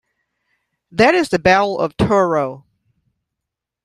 That is the battle of Toro.